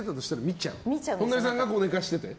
本並さんが寝かせてて？